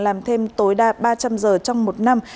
làm thêm tối đa ba trăm linh giờ trong một năm